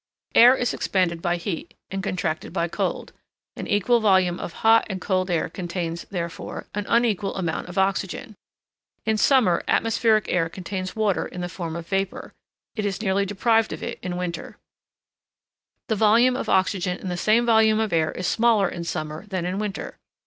Air is expanded by heat, and contracted by cold an equal volume of hot and cold air contains, therefore, an unequal amount of oxygen. In summer atmospheric air contains water in the form of vapour, it is nearly deprived of it in winter; the volume of oxygen in the same volume of air is smaller in summer than in winter.